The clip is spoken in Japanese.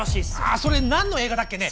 あそれ何の映画だっけね？